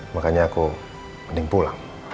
makanya aku mending pulang